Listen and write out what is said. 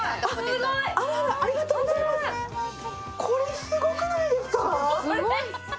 これすごくないですか？